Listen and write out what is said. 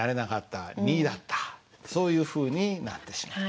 そういうふうになってしまうんです。